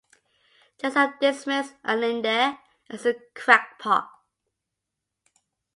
Jessup dismissed Allende as a crackpot.